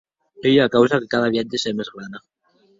Ei ua causa que cada viatge se hè mès grana.